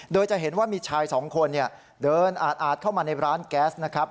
โดยจะเห็นว่ามีชายสองคนเดินอาดเข้ามาในร้านแก๊สนะครับ